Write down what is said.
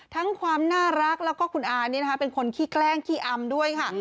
ความน่ารักแล้วก็คุณอานี่นะคะเป็นคนขี้แกล้งขี้อำด้วยค่ะ